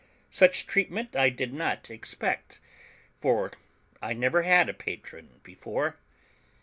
Such treatment I did not expect, for I never had a Patron before.